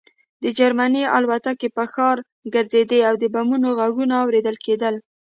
د جرمني الوتکې په ښار ګرځېدې او د بمونو غږونه اورېدل کېدل